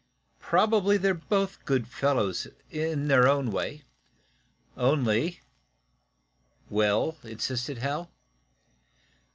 Probably they're both good fellows, in their own way. Only " "Well?" insisted Hal.